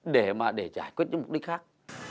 để mà để giải quyết những mục đích khác